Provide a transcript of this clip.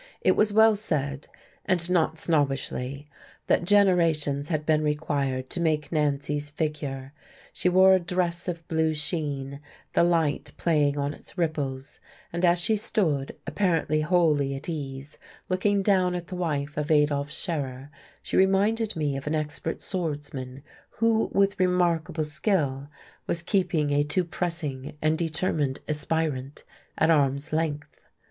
It was well said (and not snobbishly) that generations had been required to make Nancy's figure: she wore a dress of blue sheen, the light playing on its ripples; and as she stood, apparently wholly at ease, looking down at the wife of Adolf Scherer, she reminded me of an expert swordsman who, with remarkable skill, was keeping a too pressing and determined aspirant at arm's length.